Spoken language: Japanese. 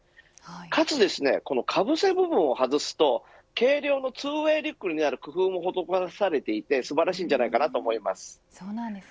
かつですね、かぶせ部分を外すと軽量の２ＷＡＹリュックなる工夫も施されていて素晴らしいんじゃないかと思います。